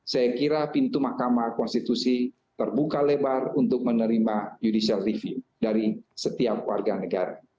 saya kira pintu mahkamah konstitusi terbuka lebar untuk menerima judicial review dari setiap warga negara